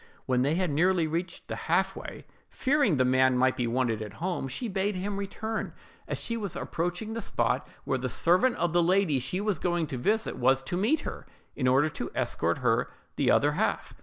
When they had nearly reached the half way, fearing the man might be wanted at home, she bade him return, as she was approaching the spot where the servant of the lady she was going to visit was to meet her, in order to escort her the other half.